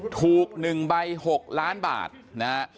ถูก๑ใบ๖ล้านบาทนะฮะ